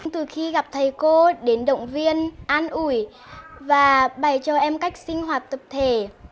từ khi gặp thầy cô đến động viên an ủi và bày cho em cách sinh hoạt tập thể